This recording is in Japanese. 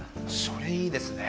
それいいですね。